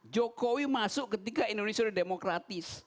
jokowi masuk ketika indonesia sudah demokratis